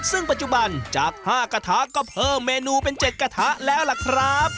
ซึ่งปัจจุบันจาก๕กระทะก็เพิ่มเมนูเป็น๗กระทะแล้วล่ะครับ